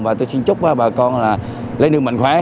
và tôi xin chúc bà con là lấy nước mạnh khỏe